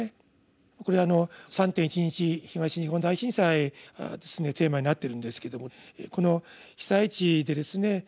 これ３．１１東日本大震災がテーマになってるんですけどもこの被災地でですね